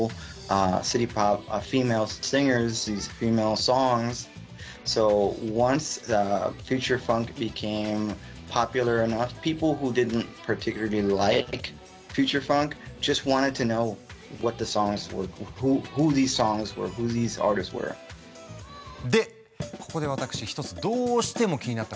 でここで私１つどうしても気になったことがありまして。